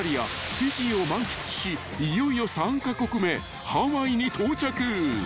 フィジーを満喫しいよいよ３カ国目ハワイに到着］